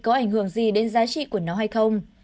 có ảnh hưởng gì đến giá trị của nó hay không